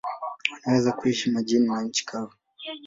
Wanaweza kuishi majini na nchi kavu.